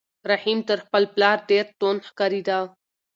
رحیم تر خپل پلار ډېر توند ښکارېده.